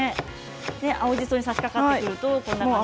青じそにさしかかってくるとこんなふうに。